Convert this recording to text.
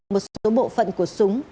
một số bộ phận của súng